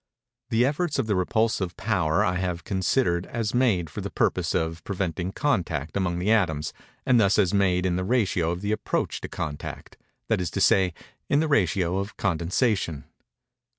The efforts of the repulsive power I have considered as made for the purpose of preventing contact among the atoms, and thus as made in the ratio of the approach to contact—that is to say, in the ratio of condensation.